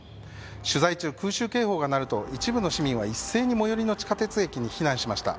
取材中、空襲警報が鳴ると一部の市民が一斉に最寄りの地下鉄へ避難しました。